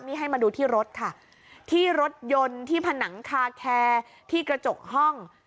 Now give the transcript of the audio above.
นี่ให้มาดูที่รถค่ะที่รถยนต์ที่ผนังคาแคร์ที่กระจกห้อง